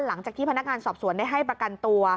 หลังจากที่พนักงานสอบสวนได้ให้ประกันตัว